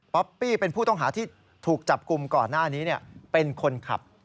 ปี้เป็นผู้ต้องหาที่ถูกจับกลุ่มก่อนหน้านี้เป็นคนขับ